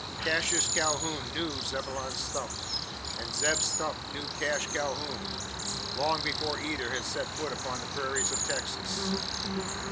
Cassius Calhoun knew Zebulon Stump, and Zeb Stump knew Cash Calhoun, long before either had set foot upon the prairies of Texas.